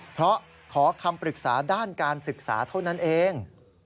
เพราะขอคำปรึกษาด้านการศึกษาเท่านั้นเอง